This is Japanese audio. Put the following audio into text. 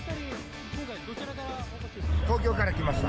東京から来ました。